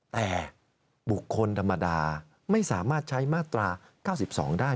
แต่บุคคลธรรมดาไม่สามารถใช้มาตรา๙๒ได้